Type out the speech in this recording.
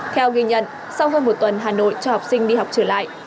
theo ghi nhận sau hơn một tuần hà nội cho học sinh đi học trở lại